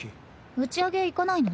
打ち上げ行かないの？